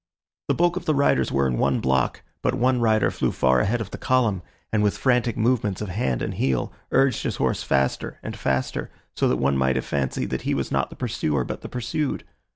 The bulk of the riders were in one block; but one rider flew far ahead of the column, and with frantic movements of hand and heel urged his horse faster and faster, so that one might have fancied that he was not the pursuer but the pursued.